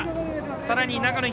さらに長野東。